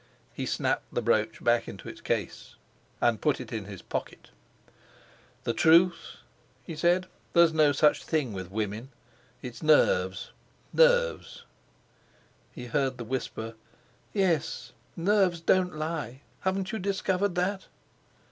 He snapped the brooch back into its case and put it in his pocket. "The truth!" he said; "there's no such thing with women. It's nerves—nerves." He heard the whisper: "Yes; nerves don't lie. Haven't you discovered that?"